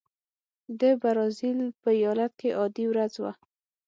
د برازیل په ایالت کې عادي ورځ وه.